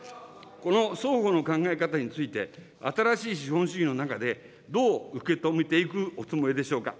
この双方の考え方について、新しい資本主義の中で、どう受け止めていくおつもりでしょうか。